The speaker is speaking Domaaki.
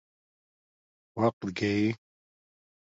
وقت گݶ